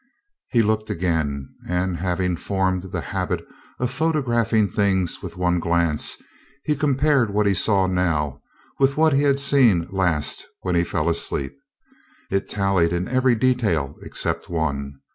He looked again, and, having formed the habit of photographing things with one glance, he compared what he saw now with what he had last seen when he fell asleep. It tallied in every detail except one.